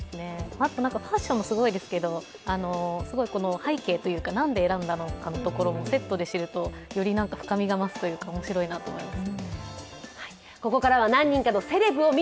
ファッションもすごいですけど、背景というか、何で選んだのかもセットで知るとより深みが増すというか面白いなと思います。